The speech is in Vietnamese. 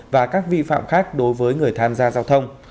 và các vi phạm khác đối với người tham gia giao thông